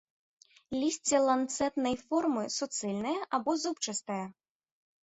Лісце ланцэтнай формы, суцэльнае або зубчастае.